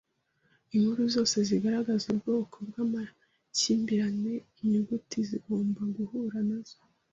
Inkuru zose zigaragaza ubwoko bwamakimbirane inyuguti zigomba guhura nazo.